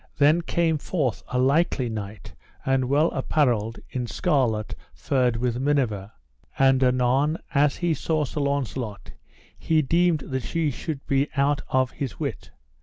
Then came forth a likely knight, and well apparelled in scarlet furred with minever. And anon as he saw Sir Launcelot he deemed that he should be out of his wit.